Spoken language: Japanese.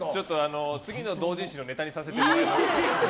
次の同人誌のネタにさせてもらいます。